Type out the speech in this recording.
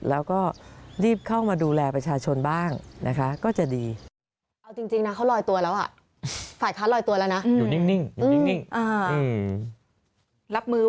แล้วก็รีบเข้ามาดูแลประชาชนบ้างนะคะ